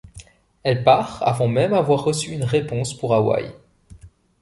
Elle part avant même avoir reçu une réponse pour Hawaï.